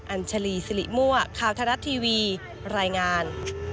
อัญชลีสิริมั่วข่าวทรัฐทีวีรายงาน